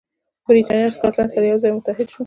برېټانیا او سکاټلند سره یو ځای او متحد شول.